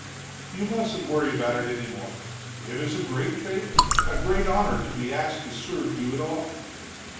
"You mustn't worry about it any more. It is a great favor, a great honor, to be asked to serve you at all."